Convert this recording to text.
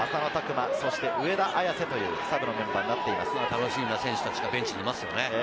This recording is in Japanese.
楽しみな選手達がベンチにいますよね。